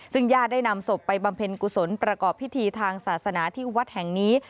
ซึ่งญาติได้นำศพไปบำเพ็ญกุศลประกอบพิธีทางศาสนาที่วัดแห่งนี้